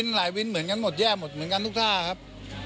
หลายวินเหมือนกันหมดแย่หมดเหมือนกันทุกท่าครับ